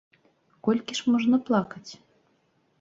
Колькі ж можна плакаць?